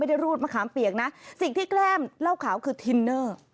รูดมะขามเปียกนะสิ่งที่แกล้มเหล้าขาวคือทินเนอร์